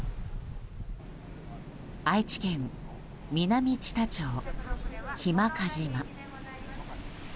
愛知県南知多町、日間賀島。